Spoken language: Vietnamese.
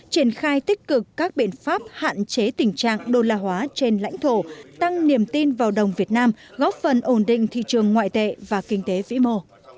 triển khai tích cực các biện pháp hạn chế tình trạng đô la hóa trên lãnh thổ tăng niềm tin vào đồng việt nam góp phần ổn định thị trường ngoại tệ và kinh tế vĩ mô